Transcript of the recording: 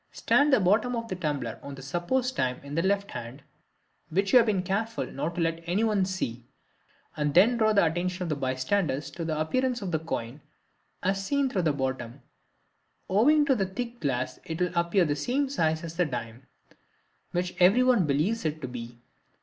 Stand the bottom of the tumbler on the supposed dime in the left hand, which you have been careful not to let anyone see, and then draw the attention of the bystanders to the appearance of the coin as seen through the bottom; owing to the thick glass it will appear the same size as the dime, which everyone believes it to be.